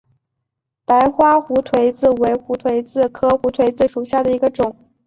白花胡颓子为胡颓子科胡颓子属下的一个种。